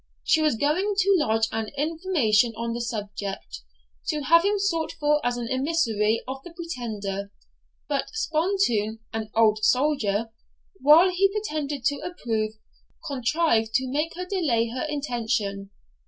She was going to lodge an information on the subject, to have him sought for as an emissary of the Pretender; but Spontoon (an old soldier), while he pretended to approve, contrived to make her delay her intention.